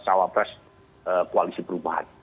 cawapres koalisi perubahan